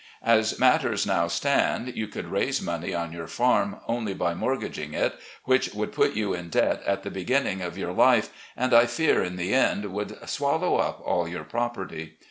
As matters now stand, you could raise money on your farm only by mortgaging it, which would put you in debt at the beginning of your life, and I fear in the end woiold swallow up all your property.